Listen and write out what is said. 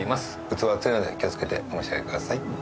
器熱いので気をつけてお召し上がりください